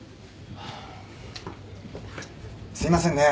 すいませんね